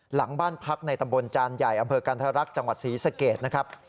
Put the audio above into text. หลังบ้านพักในตำบลจานใหญ่อำเภอกันธรรักษ์จังหวัดศรีสเกตนะครับ